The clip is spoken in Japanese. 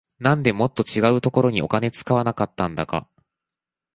なんでもっと違うところにお金使わなかったんだか